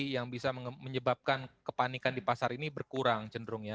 yang bisa menyebabkan kepanikan di pasar ini berkurang cenderungnya